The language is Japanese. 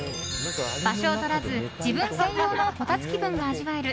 場所を取らず、自分専用のこたつ気分が味わえる